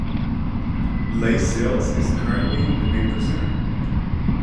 Leigh Sales is currently the main presenter.